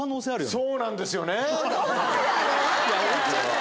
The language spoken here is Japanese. そうなんですよね。